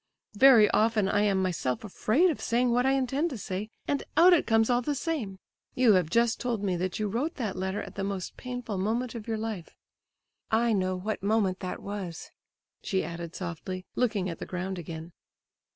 Very often I am myself afraid of saying what I intend to say, and out it comes all the same. You have just told me that you wrote that letter at the most painful moment of your life. I know what moment that was!" she added softly, looking at the ground again.